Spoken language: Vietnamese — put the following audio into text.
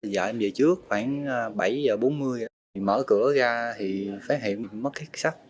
giờ em về trước khoảng bảy h bốn mươi mở cửa ra thì phát hiện mất hết sách